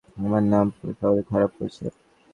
আমার নাম পুরো শহরে খারাপ করেছে।